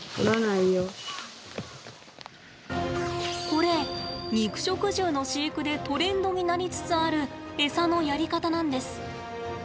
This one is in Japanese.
これ、肉食獣の飼育でトレンドになりつつある餌のやり方なんです。